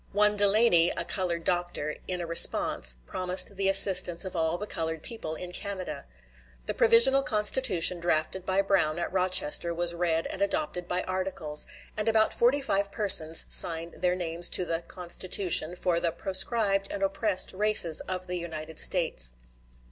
One Delany, a colored doctor, in a response, promised the assistance of all the colored people in Canada. The provisional constitution drafted by Brown at Rochester was read and adopted by articles, and about forty five persons signed their names to the "Constitution," for the "proscribed and oppressed races of the United States."